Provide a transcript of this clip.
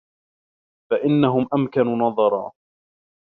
فَإِنَّهُمْ أَمْكَنُ نَظَرًا